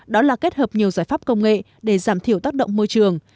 đó là kết hợp nhiều giải pháp công nghệ để giảm thiểu tác động môi trường